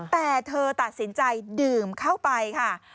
แต่เธอตัดสินใจดื่มเข้าไปค่ะ